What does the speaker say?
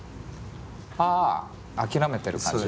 ああ諦めてる感じ。